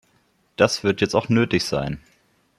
Das wird jetzt auch nötig sein.